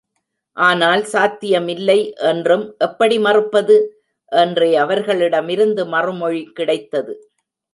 ஆனால் சாத்தியமில்லை என்றும் எப்படி மறுப்பது? என்றே அவர்களிடமிருந்து மறுமொழி கிடைத்தது.